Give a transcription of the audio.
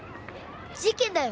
事件だよ！